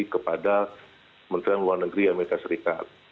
kepada menteri luar negeri amerika serikat